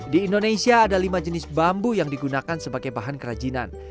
di indonesia ada lima jenis bambu yang digunakan sebagai bahan kerajinan